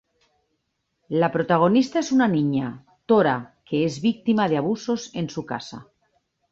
La protagonista es una niña, Tora, que es víctima de abusos en su casa.